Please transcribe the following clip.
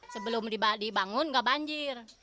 sebelum dibangun nggak banjir